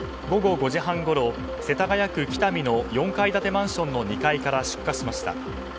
午後５時半ごろ世田谷区喜多見の４階建てマンションの２階から出火しました。